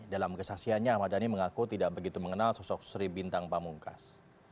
dalam kesaksiannya ahmad dhani mengaku tidak begitu mengenal sosok sri bintang pamungkas